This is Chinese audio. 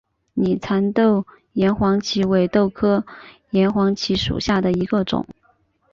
拟蚕豆岩黄耆为豆科岩黄耆属下的一个种。